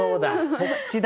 そっちだ。